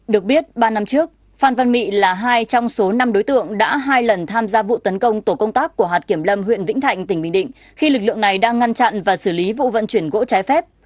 được biết ba năm trước phan văn mị là hai trong số năm đối tượng đã hai lần tham gia vụ tấn công tổ công tác của hạt kiểm lâm huyện vĩnh thạnh tỉnh bình định khi lực lượng này đang ngăn chặn và xử lý vụ vận chuyển gỗ trái phép